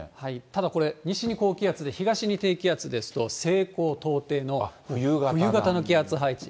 ただこれ、西に高気圧で東に低気圧ですと、西高東低の冬型の気圧配置。